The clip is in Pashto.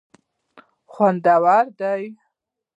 خوندور دي.